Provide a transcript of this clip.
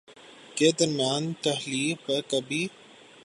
کے درمیان تلخی پر کبھی